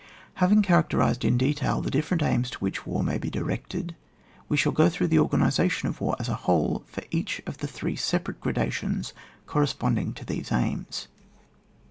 Having characterised in detail the differ ent aims to which war may be directed, we shall go through the organisation of war as a whole for each of the three sepa rate gradations corresponding to these aims.